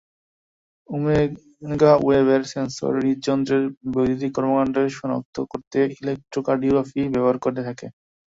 ওমেগাওয়েভের sensor হূদ্যন্ত্রের বৈদ্যুতিক কর্মকাণ্ড শনাক্ত করতে ইলেকট্রোকার্ডিওগ্রাফি ব্যবহার করে থাকে।